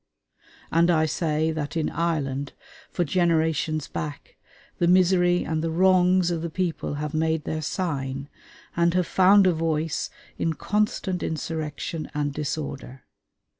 And I say that in Ireland, for generations back, the misery and the wrongs of the people have made their sign, and have found a voice in constant insurrection and disorder.